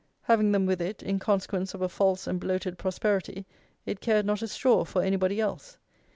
Having them with it, in consequence of a false and bloated prosperity, it cared not a straw for anybody else.